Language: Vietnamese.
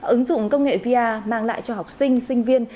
ứng dụng công nghệ via mang lại cho học sinh sinh viên